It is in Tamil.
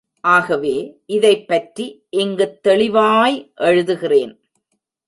ஆகவே இதைப்பற்றி இங்குத் தெளிவாய் எழுதுகிறேன்.